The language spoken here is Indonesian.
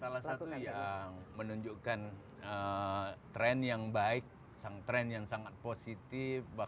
salah satu yang menunjukkan tren yang baik tren yang sangat positif